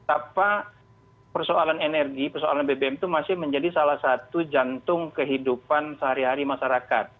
apa persoalan energi persoalan bbm itu masih menjadi salah satu jantung kehidupan sehari hari masyarakat